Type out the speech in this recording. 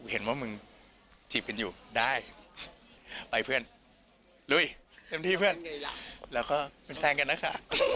เห็นว่ามึงจีบกันอยู่ได้ไปเพื่อนลุยเต็มที่เพื่อนแล้วก็เป็นแฟนกันนะคะ